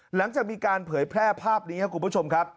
หลังจากมีการเผยแพร่ภาพนี้ครับคุณผู้ชมครับ